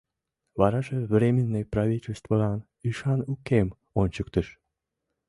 Вараже Временный правительствылан ӱшан укем ончыктыш.